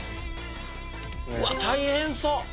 うわっ大変そう！